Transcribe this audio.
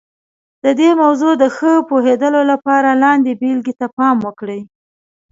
د دې موضوع د ښه پوهېدلو لپاره لاندې بېلګې ته پام وکړئ.